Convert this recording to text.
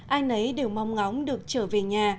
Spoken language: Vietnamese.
ai nấy đều mong ngóng được trở về nhà